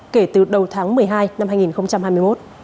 kể từ đầu tháng một mươi hai năm hai nghìn hai mươi một